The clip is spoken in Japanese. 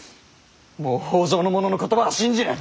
もう北条の者の言葉は信じぬ！